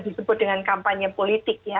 disebut dengan kampanye politik